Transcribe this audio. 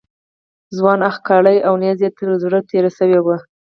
ځوان اخ کړل او نیزه یې تر زړه تېره شوې وه.